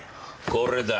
これだ。